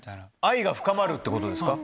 愛が深まるってことですか？